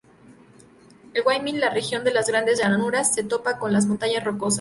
En Wyoming, la región de las Grandes Llanuras se topa con las Montañas Rocosas.